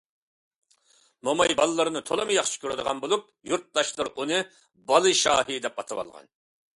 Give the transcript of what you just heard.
موماي بالىلىرىنى تولىمۇ ياخشى كۆرىدىغان بولۇپ، يۇرتداشلىرى ئۇنى‹‹ بالا شاھى›› دەپ ئاتىۋالغان.